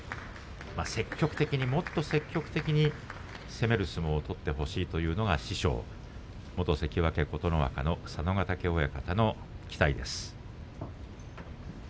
積極的にもっと攻める相撲を取ってほしいというのが師匠元関脇琴ノ若の佐渡ヶ嶽親方です。